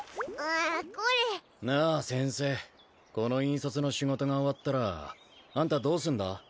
これなあ先生この引率の仕事が終わったらあんたどうすんだ？